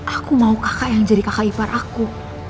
aku mau kakak yang jadi kakak ipar aku